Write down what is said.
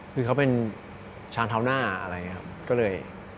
คือเขาเป็นชานเท้าหน้าอะไรอย่างนี้ครับก็เลย